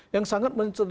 yang sangat mencederai